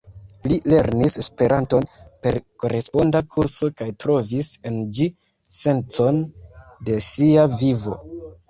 Li lernis Esperanton per koresponda kurso kaj trovis en ĝi sencon de sia vivo.